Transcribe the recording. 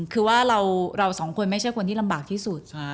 คือว่าเราสองคนไม่ใช่คนที่ลำบากที่สุด